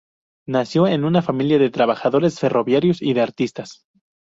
Nació en una familia de trabajadores ferroviarios y de artistas.